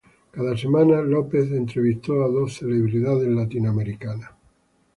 Cada semana López entrevistó a dos celebridades latinoamericanas.